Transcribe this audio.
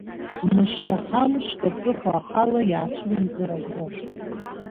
Мышк-ахамышк аҵыхәа ахала иаацәырымҵыр аурым.